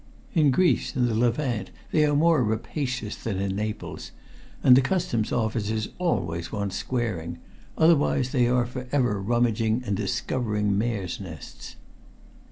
"In Greece and the Levant they are more rapacious than in Naples, and the Customs officers always want squaring, otherwise they are for ever rummaging and discovering mares' nests."